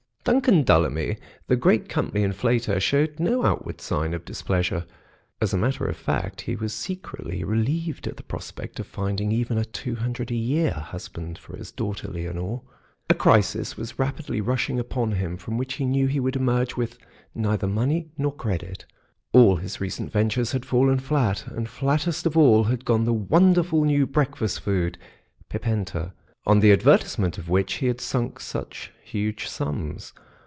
Duncan Dullamy, the great company inflator, showed no outward sign of displeasure. As a matter of fact, he was secretly relieved at the prospect of finding even a two hundred a year husband for his daughter Leonore. A crisis was rapidly rushing upon him, from which he knew he would emerge with neither money nor credit; all his recent ventures had fallen flat, and flattest of all had gone the wonderful new breakfast food, Pipenta, on the advertisement of which he had sunk such huge sums.